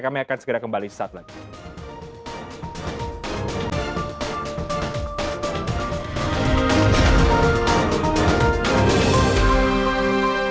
kami akan segera kembali saat lagi